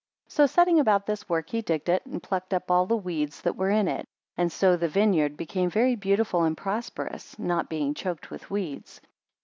13 So setting about this work he digged it, and plucked up all the weeds that were in it; and so the vineyard became very beautiful and prosperous, not being choked with weeds.